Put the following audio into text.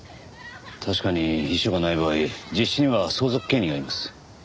確かに遺書がない場合実子には相続権利があります。